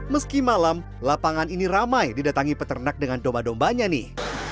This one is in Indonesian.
meski malam lapangan ini ramai didatangi peternak dengan domba dombanya nih